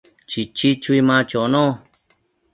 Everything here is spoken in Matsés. Chichi chui ma chono